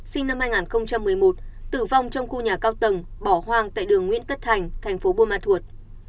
sinh năm hai nghìn một mươi một tử vong trong khu nhà cao tầng bỏ hoang tại đường nguyễn tất thành thành phố buôn ma thuột